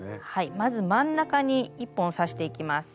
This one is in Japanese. まず真ん中に１本刺していきます。